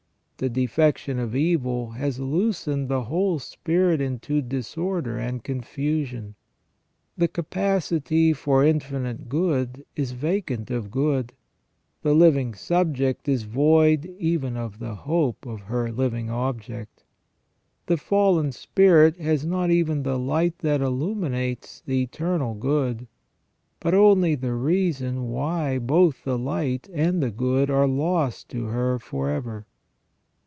The defection of evil has loosened the whole spirit into disorder and confusion. The capacity for infinite good is vacant of good ; the living subject is void even of the hope of her living object. The fallen spirit has not even the light that illuminates the eternal good, but only the reason why both the light and the good are lost to her for ever.